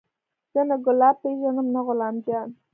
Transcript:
زه نه ګلاب پېژنم نه غلام جان.